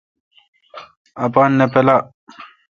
اپان نہ پُالا۔